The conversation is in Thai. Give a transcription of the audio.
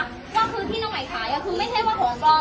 ก็คือที่น้องใหม่ขายคือไม่ใช่ว่าของปลอม